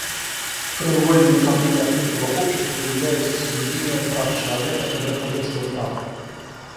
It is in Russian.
Краеугольными камнями открытого общества являются соблюдение прав человека и верховенство права.